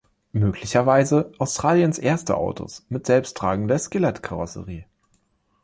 Möglicherweise Australiens erste Autos mit selbsttragender Skelettkarosserie.